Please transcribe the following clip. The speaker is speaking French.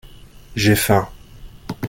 J'ai faim.